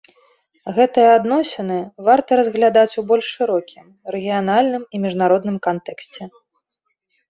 Гэтыя адносіны варта разглядаць у больш шырокім, рэгіянальным і міжнародным кантэксце.